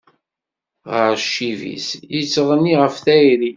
Ɣer ccib-is, yettɣenni ɣef tayri.